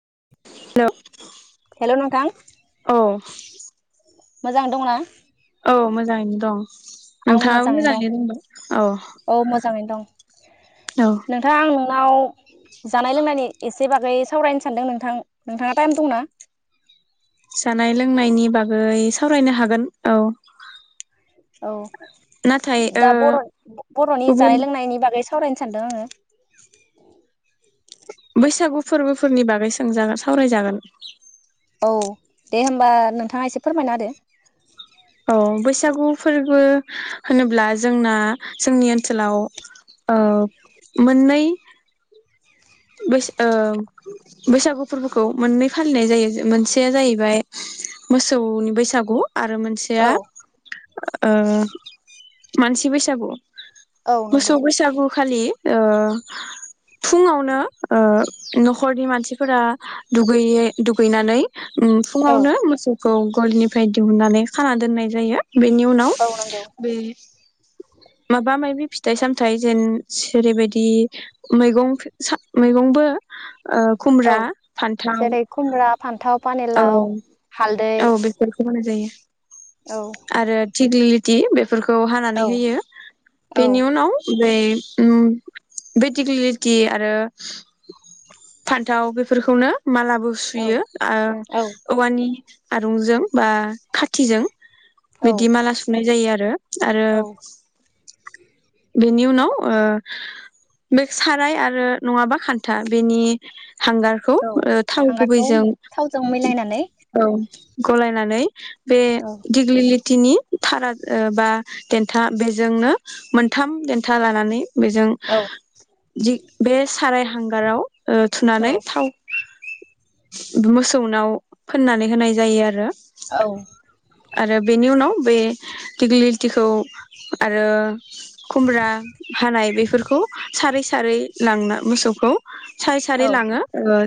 [inaudible] हेल' नोंथां औ मोजां दंना औ मोजाङैनो दं आंबो नोंथाङाबो मोजाङैनो दं दंबा औ औ मोजाङैनो दं औ नोंथाङा आं नाव जानाय लोंनायनि एसे बागै सावरायनो सानदों नोंथां नोंथाङा टाइम दंना जानाय लोंनायनि बागै सावरायनो हागोन औ औ नाथाय ओ दा बर' बर'नि गुबुन जानाय लोंनायनि बागै सावरायनो सानदों आङो बैसागु फोरबोफोरनि बागै सोंजागोन सावरायजागोन औ दे होमबा नोंथाङा एसे फोरमायना होदो औ बैसागु फोरबो होनोब्ला जोंना जोंनि ओनसोलाव औ मोननै ओ बैसागु फोरबोखौ मोननै फालिनाय जायो मोनसेया जाहैबाय मोसौनि बैसागु आरो मोनसेया औ मानसि बैसागु औ मोसौ नंगौ बैसागु खालि ओ फुङावनो ओ न'खरनि मानसिफोरा दुगैयै दुगैनानै उम औ फुङावनो मोसौ खौ गलिनिफ्राय दिहुननानै खाना दोननाय जायो बेनि उनाव औ नंगौ बे माबा माबि फिथाइ सामाइ थाय जेन जेरैबायदि मैगं मैगंबो ओ औ खुमब्रा फान्थाव जेरै खुमब्रा फान्थाव औ पानिलाव हालदै औ बेफोरखौ जायो औ आरो दिगलि ति फोरखौ हानानै औ होयो औ बेनि उनाव बै उम बे दिगलिटि आरो फान्थाव बेफोरखौनो मालाबो औ सुयो ओ औवानि आरुंजों बा खाथिजों औ बिदि माला सुनाय जायो आरो आरो औ बेनि उनाव ओ बे साराय आरो नङाबा खान्था बेनि हांगारखौ औ थाव हांगारखौ गुबैजों थावजों मिलायनानै औ गलायनानै बे औ दिग्लिलि तिनि थारा बा देथा बेजोंनो मोनथाम देन्था लानानै बेजों औ जि साराय हांगाराव ओ औ थुनानै थाव मोसौनाव फोननानै होनाय जायो आरो आरो बेनि उनाव बे दिग्लिलिटिखौ आरो खुमब्रा हानाय बेफोरखौ सारै सारै लांना मोसौखौ सारै औ सारै लाङो ओ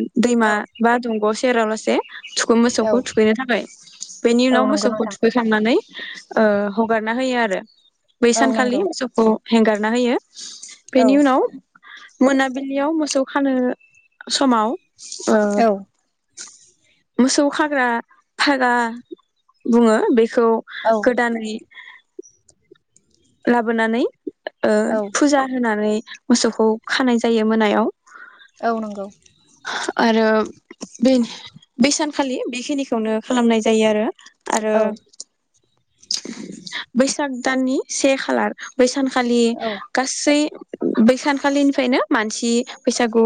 औ दैमा बा दंग से रावलासे थुखै मोसौखौ औ थुखैनो थाखाय बेनि औ उनाव नंगौ मोसौखौ नोंथां थुखैखांनानै ओ हगारना होयो आरो बै औ सानखालि नंगौ मोसौखौ हेंगारना होयो औ बेनि उनाव मोनाबिलियाव मोसौ खानो समाव ओ औ मोसौ खाग्रा फागा बुङो बे खौ औ गोदानै लाबोनानै ओ औ फुजा होनानै मोसौखौ खानाय जायो मोनायाव । औ नंगौ । आरो बे बे सानखालि बेखिनिखौनो खालामनाय जायो आरो । आरो औ बै सागदाननि से खालार बैसान खालि औ गासै बैसानखालिनिफ्रायनो मानसि बैसागु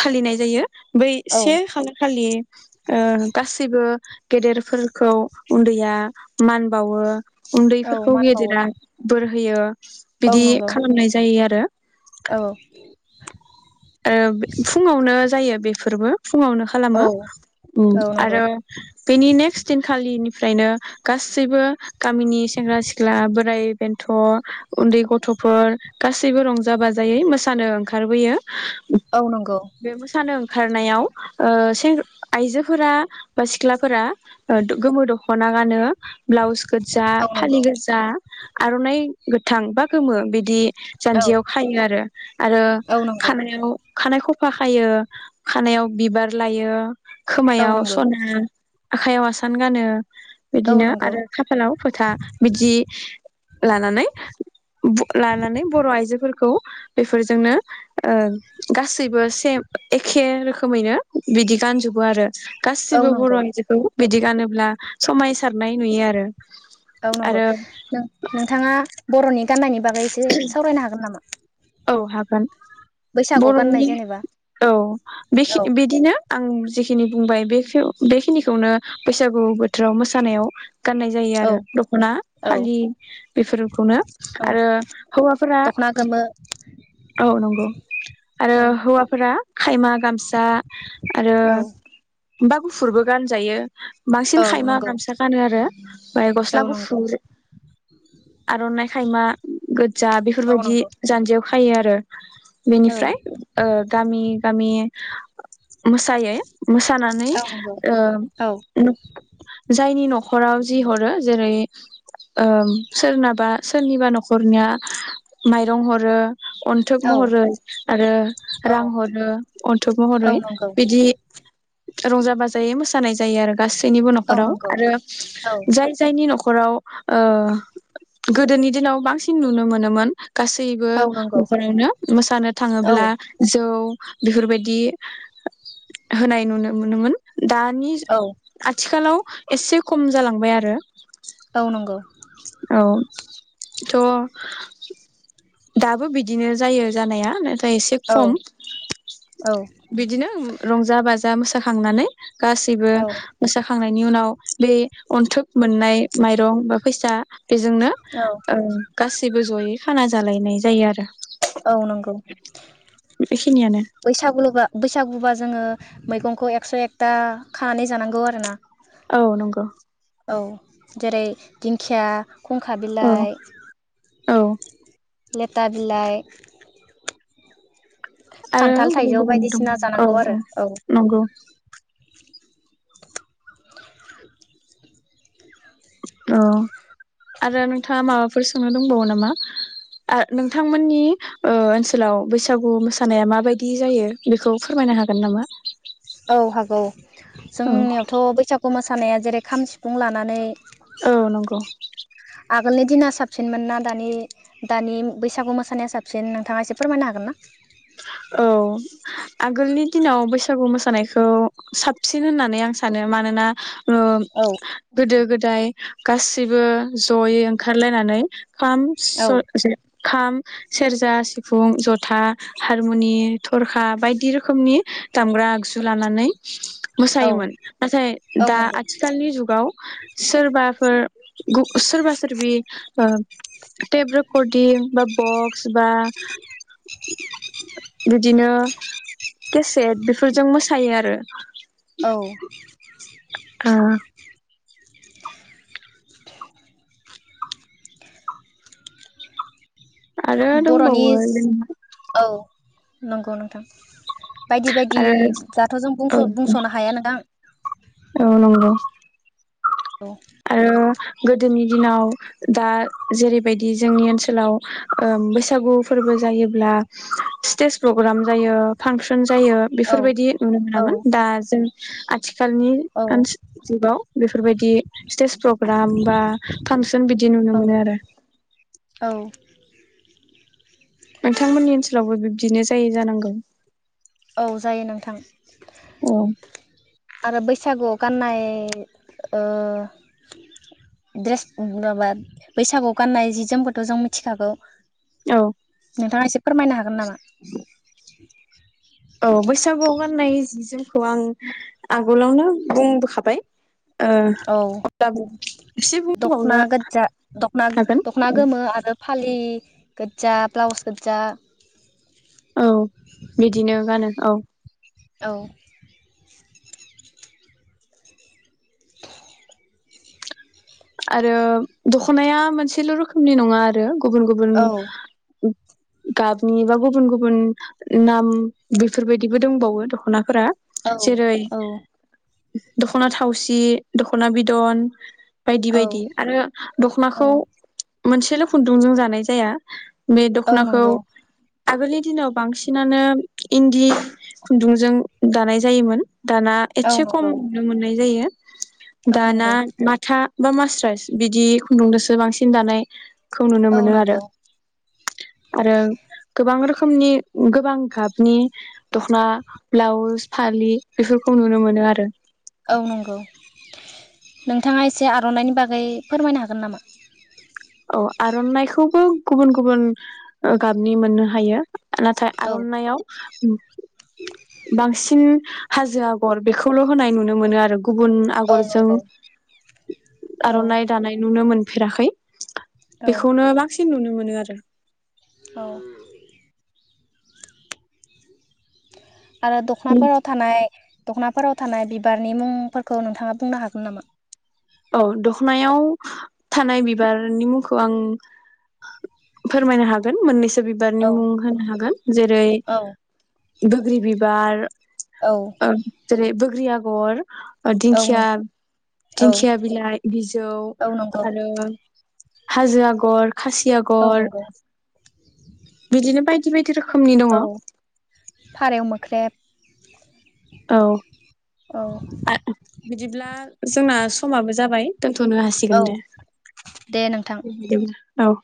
फालिनाय जायो । बै औ से हानखालि ओ गासैबो गेदेरफोरखौ उन्दैया मान बावो औ उदैफोरखौ मान गेदे बावो दा बोर होयो । औ बिदि नंगौ खालामनाय जायो आरो औ ओ फुङावनो जायो बेफोरबो फुङावनो खालामो औ उम औ नंगौ आरो बेनि नेक्स्ट दिनखालि फ्रायनो गासैबो गामिनि सेंग्रा सिख्ला बोराय बेन्थ' उन्दै गथ'फोर गासैबो रंजा बाजायै मोसानो ओंखारबोयो । औ नंगौ । खारनायाव ओ सें आइजोफोरा बा सिख्लाफोरा गोमो दख'ना गानो । ब्लाउस गोजा, औ फालि नंगौ गोजा, आर'नाइ गोथां बा गोमो बिदि औ जान्जियाव खायो आरो आरो औ नंगौ खानायाव खानाय ख फा खायो खानायाव बिबार लायो, औ खोमायाव नंगौ सना, आखायाव आसान गानो। औ बिदिनो नंगौ आरो खाफालाव फोथा बिदि लानानै लानानै बर' आइजोफोरखौ बेफोरजोंनो- गासैबो सेम एखे रोखोमैनो बिदि गानजोबो आरो। औ गासिबो बर' नंगौ आइजोखौ बिदि गानोब्ला समायसारनाय नुयो आरो। औ नंगौ आरो नोंथाङा बर'नि। गाननायनि बागै एसे सावरायनो हागोन नामा। औ हागोन। बैसागुआव गाननाय बर'नि जेनेबा औ औ बिदिनो आं जेखि खिनि बुंबाय बेखिनिखौनो बैसागु। बोथोराव मोसानायाव गाननाय जायो औ आरो दख'ना औ फालि बेफोरखौनो औ आरो हौवाफोरा। दख'ना गोमो औ नंगौ आरो औ हौवाफोरा खायमा गामसा आरो औ बा गुफुरबो गानजायो बांसिन औ खायमा नंगौ गामसा गानो आरो। [inaudible] माया औ गस्ला नंगौ गुफुुर आर'नाइ। खाइमा। जा औ बेफोरबायदि। नंगौ याव खायो आरो। औ बेनिफ्राय ओ गामि गामि मोसायै मोसानानै औ नंगौ ओ औ जायनि न'खर न'खराव जि हरो जेरै सोरनाबा सोरनिबा न'खरनिया माय रं हरो। अन्थोब औ महरै आरो औ रां हरो अन्थुब औ महरै नंगौ बिदि रंजा बाजायै मोस मोसानाय जायो आरो। गासैनिबो औ न'खराव नंगौ आरो औ जाय जायनि नख न'खराव ओ। गोदोनि दिनाव बांसिन नुनो मोन मोनोमोन। गासैबो औ नंगौ न'खरावनो मोसानो औ थाङोब्ला जौ बेफोरबायदि होनाय नुनो मोनोमोन दानि औ आथिखालाव एसे खम जालांबाय आरो। औ नंगौ। औ थ' दाबो बिदिनो जायो जानाया ना एसे औ खम औ बिदिनो रंजा बाज जा मोसाखांनानै गासैबो मोसाखांनायनि उनाव बे अन्थुब मोननाय माइरं बा फैसा बेजोंनो औ ओ गाससिबो जयै खाना जालायनाय जायो आरो। औ नंगौ बेखिनियानो बैसागुलबा बैसागुबा जोङो मैगंखौ एकस' एकथा खानानै जानांगौ आरोना। औ नंगौ। औ जेरै दिंखिया। खुंखा औ बिलाइ। औ लेटा बिलाइ। आरो खान्थाल गुबुन थाइजौ गुबुन दङ बायदिसिना औ जानांगौ औ आरो नंगौ। [unintelligible] औ आरो नोंथाङा माबाफोर सोंनो दंबावो नामा आ नोंथांमोननि ओ ओनसोलाव बैसागु मोसानाया माबायदि जायो बेखौ फोरमायनो हागोन नामा? औ हागौ औ जोंनियावथ' बैसागु मोसानाया जेरै खाम-सिफुं लानानै औ नंगौ। आगोलनि दिना साबसिनमोन ना दानि दानि बैसागु मोसानाया साबसिन नोंथाङा एसे फोरमायनो हागोन ना? औ आगोलनि दिनाव बैसागु मोसानायखौ साबसिन होननानै आं सानो मानोना ओ औ गोदो गोद य गासिबो जयै ओंखारलायनानै। खाम औ [unintelligible] खाम, सेरजा, सिफुं, जथा हारमुनि थरखा बायदि रोखोमनि दामग्रा आगजु लानानै औ मोसायोमोन नाथाय औ दा नंगौ आथिखालनि जुगाव सोरबाफोर सोरबा सोरबि टेब रकर्डिं बा बक्स। बा बिदिनो केसेट बेफोरजों मोसायो आरो। औ [unintelligible] औ। आरो बर'नि दंबावो [unintelligible] औ नंगौ नोंथां। बायदि बायदि आरो दाथ' जों औ बुंस' बुंस'नो हाया नोंथां। औ नंगौ। औ। आरो गोदोनि दिनाव दा जेरैबायदि जोंनि ओनसोलाव ओ बैसागु फोरबो जायोब्ला स्टेज प्रग्राम जायो फांसन जायो औ बेफोरबायदि नुनो औ मोनामोन दा जों आथिख खालनि औ जुगाव बेफोरबायदि स्टेज प्रग्राम बा फांसन बिदि नुनो औ मोनो आरो। औ। नोंथांमोननि ओनसोलावबो बिब्दिनो जायो जानांगौ? औ जायो नोंथां। औ आरो बैसागुआव गाननाय ओ ड्रेस माबा बैसागु गाननाय जि जोमखौथ' जों मिथिखागौ। औ नोंथाङा एसे फोरमायनो हागोन हागोन नामा? [inaudible] औ बैसागुवाव गाननाय जि जोमखौ आं आगोलावनो बुंबोखाबाय ओ औ अब्लाबो एसे दख'ना बुंबावनो गोज्जा दखना दख'ना हागोन गोमो आरो फालि गोज्जा ब्लाउस गोज्जा औ बिदिनो गानो औ। औ। आरो दख'नाया मोनसेल' रोखोमनि नङा आरो। गुबुन गुबुन औ गाबनि बा गुबुन गुबुन नाम बेफोरबायदिबो दंबावो दख'ना फोरा औ जेरै औ दख'ना थावसि दख'ना बिदन बायदि बायदि आरो औ दखनाखौ मोनसेल' खुन्दुंजों जानाय जा जाया बे औ दख'नाखौ नंगौ आगोलनि दिनाव बांसिनानो इन्दि खुन्दुंजों दानाय जायोमोन। दाना औ एस्से खम नंगौ नुनो मोननाय जायो। औ दाना नंगौ माथा बा मास्राइस बिदि खुन्दुंजोंसो बांसिन दानाय खौ नुनो औ मोनो आरो। नंगौ आरो गोबां रोखोम खोमनि गोबां गाबनि दख'ना ब्लाउस फालि बेफोरखौ नुनो मोनो आरो। औ नंगौ। नोंथाङा एसे आर'नाइनि बागै फोरमायनो हागोन नामा? औ आर'नाइखौबो गुबुन गुबुन ओ गाबनि मोननो हायो। नाथाय औ आर'नाइयाव बांसिन हाजो आग'र बेखौल' होनाय नुनो मोनो आरो गुबुन औ आग'रजों नंगौ औ आर'नाइ दानाय नुनो मोन फेराखै। औ बेखौनो बांसिन नुनो मोनो आरो। [inaudible] औ। आरो दख'नाफोराव थानाय दख'ना फोराव थानाय बिबारनि मुंफोरखौ नोंथाङा बुंनो हागोन नामा? औ दख'नायाव थानाय बिबारनि मुंखौ आं फोरमायनो हागोन मोननैसो बिबारनि औ मुं होनो हागोन। जेरै औ बोग्रि बिबार औ ओं जेरै बो ग्रि आग'र ओ औ दिंखिया नोंथां औ दिंखि खिया बिलाइ बिजौ औ नंगौ आरो हाजो आग'र, खासि औ आगर, नंगौ बिदिनो बायदि बायदि रोखोमनि दङ। औ फारौ मोख्रेब औ औ आ बिदिब्ला जोंना समाबो जाबाय दोन्थ'नो औ हासिगोन दे। दे बिदिब्ला औ।